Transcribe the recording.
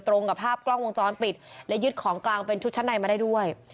ตรงกับภาพกล้องวงจรปิดและยึดของกลางเป็นชุดชั้นในมาได้ด้วย